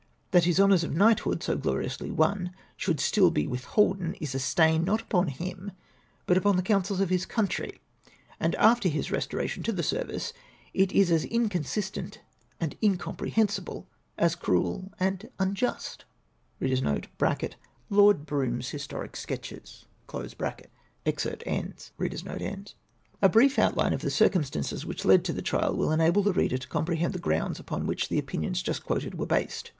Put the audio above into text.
That his honours of knight hood, so gloriously won, should still be withholden is a stain, not upon him, but upon the councils of his country ; and after his restoration to the service, it is as inconsistent and incomprehensible as cruel and unjust." (Lord Brougham's " Historic Sketches.") A brief outline of the circumstances which led to the trial will enable the reader to comprehend the grounds upon which the opinions just quoted were based.